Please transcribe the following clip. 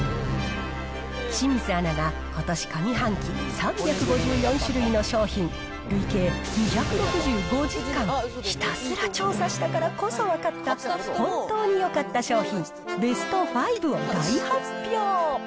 清水アナがことし上半期３５４種類の商品、累計２６５時間、ひたすら調査したからこそ分かった、本当によかった商品ベスト５を大発表。